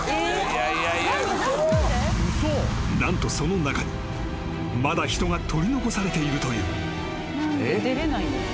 ［何とその中にまだ人が取り残されているという］